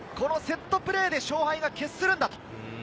セットプレーで勝敗が決するんだと。